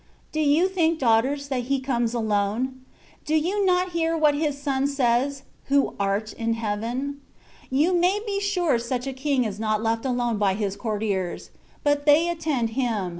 Do you think, daughters, that He comes alone ? Do you not hear what His Son says, "Who art in Heaven ?^^ You may be sure such a King is not left alone by his courtiers ; but they attend Him^ *'' De geate baga y de baratijas.